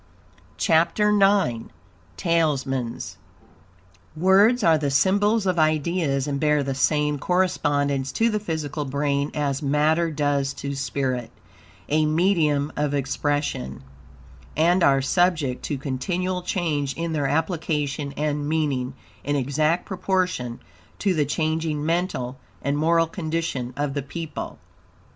CHAPTER IX. TALISMANS Words are the symbols of ideas, and bear the same correspondence to the physical brain as matter does to spirit, a medium of expression, and are subject to continual change in their application and meaning, in exact proportion to the changing mental and moral condition of the people.